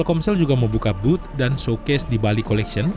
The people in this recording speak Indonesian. telkomsel juga membuka booth dan showcase di bali collection